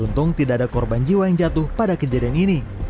untung tidak ada korban jiwa yang jatuh pada kejadian ini